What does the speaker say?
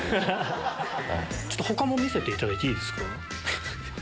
ちょっと他も見せていただいていいですか？